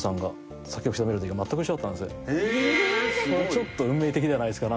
ちょっと運命的ではないっすか。